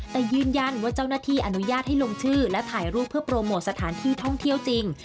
แต่ยืนยันว่าเจ้าหน้าที่อนุญาตให้ลงชื่อและถ่ายรูปเพื่อโปรโมทสถานที่ท่องเที่ยวจริง